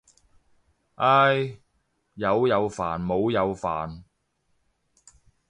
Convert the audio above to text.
唉，有又煩冇又煩。